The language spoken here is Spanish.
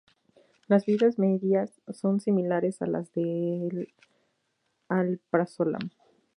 Las vidas medias son similares a las del alprazolam.